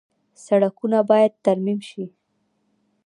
سړکونه باید ترمیم شي